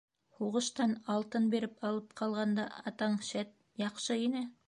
Һуғыштан... алтын биреп... алып ҡалғанда... атаң, шәт, яҡшы ине?